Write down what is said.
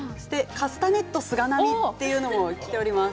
カスタネット菅波というのもきております。